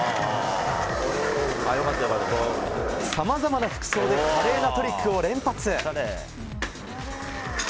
さまざまな服装で華麗なトリックを連発。